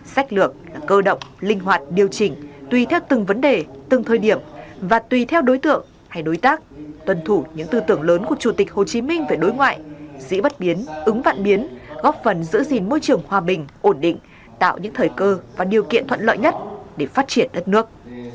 sách lược là cơ động linh hoạt điều chỉnh tùy theo từng vấn đề từng thời điểm và tùy theo đối tượng hay đối tác tuân thủ những tư tưởng lớn của chủ tịch hồ chí minh về đối ngoại dĩ bất biến ứng vạn biến góp phần giữ gìn môi trường hòa bình ổn định tạo những thời cơ và điều kiện thuận lợi nhất để phát triển đất nước